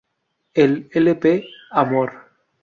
El lp "Amor.